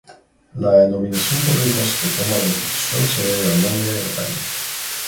La denominación Torrijos que toma la institución se debe al nombre de la calle.